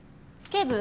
警部！